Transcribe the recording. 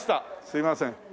すみません。